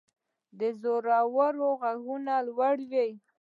د زړورو ږغونه لوړ وي.